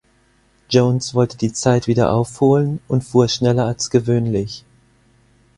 Jones wollte die Zeit wieder aufholen und fuhr schneller als gewöhnlich.